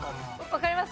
わかります？